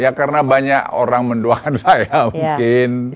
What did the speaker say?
ya karena banyak orang mendoakan saya mungkin